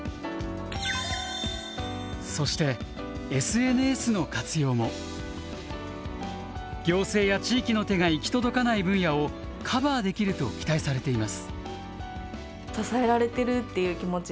そして行政や地域の手が行き届かない分野をカバーできると期待されています。